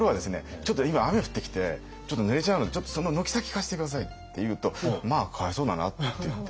「ちょっと今雨降ってきてちょっとぬれちゃうのでその軒先貸して下さい」って言うと「まあかわいそうだな」って言って。